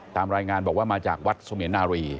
ตามรายงานบอกว่ามาจากวัดเสมียนารี